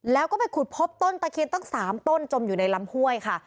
แล้วก็ไปขุดพบต้นตะเคียนตั้ง๓ต้นจมอยู่ในลำห้วยค่ะ